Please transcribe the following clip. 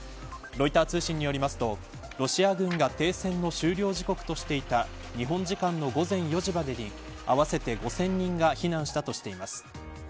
ロイター通信によりますとロシア軍が停戦の終了時刻としていた日本時間の午前４時までに合わせて５０００人が避難したとしています。